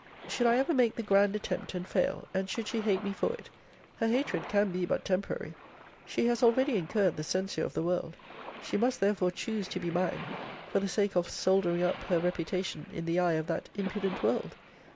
Should I ever make the grand attempt, and fail, and should she hate me for it, her hatred can be but temporary. She has already incurred the censure of the world. She must therefore choose to be mine, for the sake of soldering up her reputation in the eye of that impudent world.